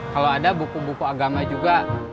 kalau ada buku buku agama juga